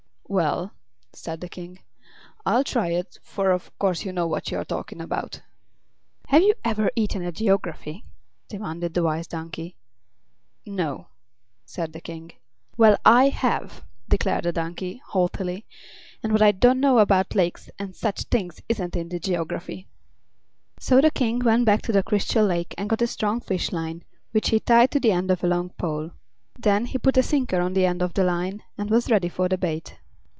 "Well," said the King, "I'll try it, for of course you know what you are talking about." "Have you ever eaten a geography?" demanded the Wise Donkey. "No," said the King. "Well, I have," declared the donkey, haughtily; "and what I don't know about lakes and such things isn't in the geography." So the King went back to the Crystal Lake and got a strong fish line, which he tied to the end of a long pole. Then he put a sinker on the end of the line and was ready for the bait.